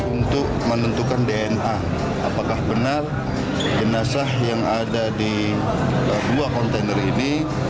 untuk menentukan dna apakah benar jenazah yang ada di dua kontainer ini